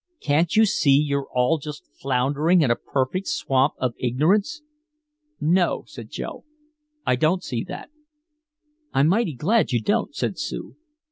"Can't you see you're all just floundering in a perfect swamp of ignorance?" "No," said Joe. "I don't see that " "I'm mighty glad you don't," said Sue.